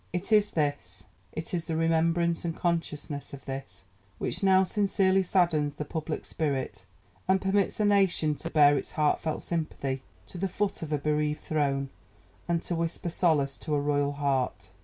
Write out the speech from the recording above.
It is this, it is the remembrance and consciousness of this, which now sincerely saddens the public spirit, and permits a nation to bear its heartfelt sympathy to the foot of a bereaved throne, and to whisper solace to a royal heart."